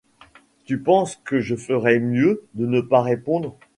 Tu penses que je ferais mieux de ne pas répondre ?